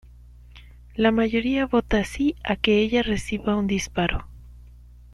La mayoría vota SÍ a que ella reciba un disparo.